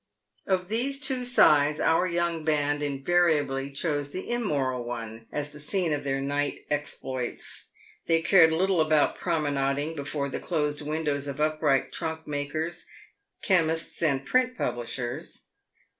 Of these two sides our young band invariably chose the immoral one as the scene of their night exploits. They cared little about promenading before the closed windows of upright trunkmakers, chemists, and print publishers.